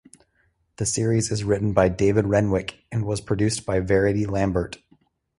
The series is written by David Renwick, and was produced by Verity Lambert.